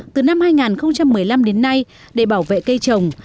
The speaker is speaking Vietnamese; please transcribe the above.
từ năm hai nghìn một mươi năm đến nay để bảo vệ cây trồng